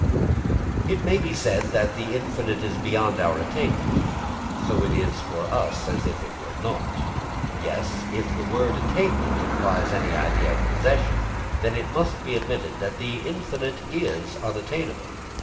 It may be said that the infinite is beyond our attainment, so it is for us as if it were naught. Yes, if the word attainment implies any idea of possession, then it must be admitted that the infinite is unattainable.